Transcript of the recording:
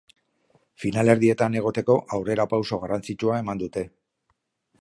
Finalerdietan egoteko aurrerapauso garrantzitsua eman dute.